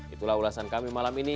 itulah ulasan kami malam ini